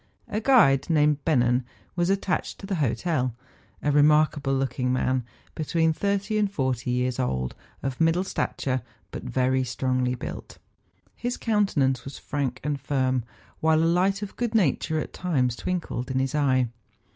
A guide, named Bennen, was attached to the hotel, a remarkable looking man, between thirty and forty years old, of middle stature, but very strongly built. His countenance was frank and firm, while a light of good nature at times twinkled in his eye.